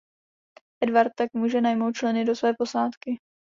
Edward tak může najmout členy do své posádky.